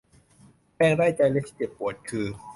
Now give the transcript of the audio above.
แพงได้ใจและที่เจ็บปวดคือ